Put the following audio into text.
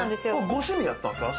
ご趣味やったんですか？